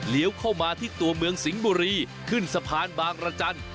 เข้ามาที่ตัวเมืองสิงห์บุรีขึ้นสะพานบางรจันทร์